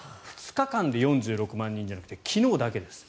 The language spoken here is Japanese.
２日間で４６万人じゃなくて昨日だけです。